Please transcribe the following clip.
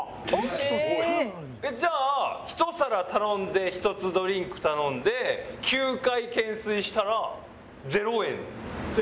じゃあ１皿頼んで１つドリンク頼んで９回懸垂したら０円？